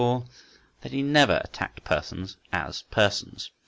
24) that he never attacked persons as persons.